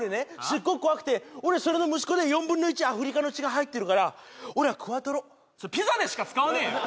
すっごく怖くて俺それの息子で４分の１アフリカの血が入ってるから俺はクワトロそれピザでしか使わねえよ！